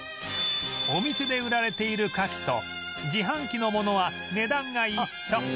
お店で売られているカキと自販機のものは値段が一緒